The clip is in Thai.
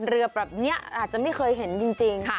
เรือแบบนี้อาจจะไม่เคยเห็นจริง